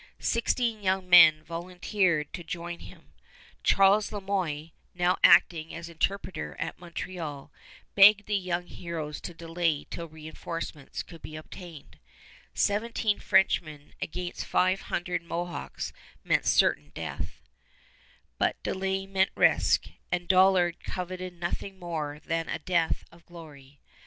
Sixteen young men volunteered to join him. Charles Le Moyne, now acting as interpreter at Montreal, begged the young heroes to delay till reënforcements could be obtained: seventeen Frenchmen against five hundred Mohawks meant certain death; but delay meant risk, and Dollard coveted nothing more than a death of glory.